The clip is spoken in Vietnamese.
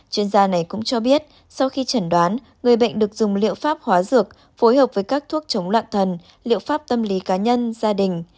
chuyên gia này cũng cho biết sau khi chẩn đoán người bệnh được dùng liệu pháp hóa dược phối hợp với các thuốc chống loạn thần liệu pháp tâm lý cá nhân gia đình